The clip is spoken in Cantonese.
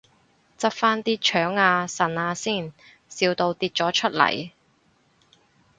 執返啲腸啊腎啊先，笑到跌咗出嚟